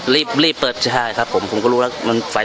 และอันดับสุดท้ายประเทศอเมริกา